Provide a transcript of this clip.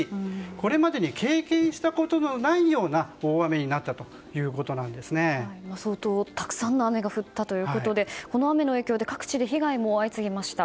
これまでに経験したことのないような大雨に相当たくさんの雨が降ったということでこの雨の影響で各地で被害も相次ぎました。